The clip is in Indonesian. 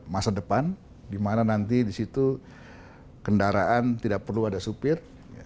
masa depan di mana nanti di situ kendaraan tidak perlu ada supir